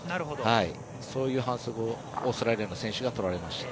そういう反則をオーストラリアの選手が取られました。